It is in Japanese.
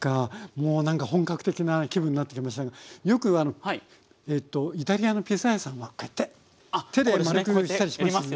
もう何か本格的な気分になってきましたがよくえっとイタリアのピザ屋さんはこうやって手でまるくしたりしますよね。